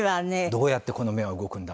「どうやってこの目は動くんだ？」